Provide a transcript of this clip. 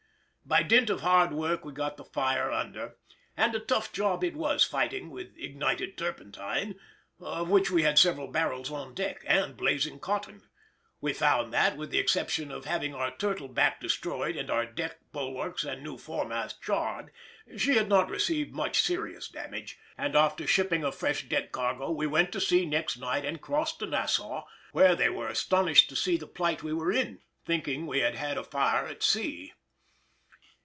By dint of hard work we got the fire under, and a tough job it was fighting with ignited turpentine, of which we had several barrels on deck, and blazing cotton. We found that, with the exception of having our turtle back destroyed and our deck, bulwarks, and new foremast charred, she had not received much serious damage, and after shipping a fresh deck cargo we went to sea next night and crossed to Nassau, where they were astonished to see the plight we were in, thinking we had had a fire at sea.